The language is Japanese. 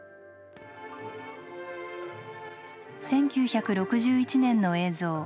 １９６１年の映像。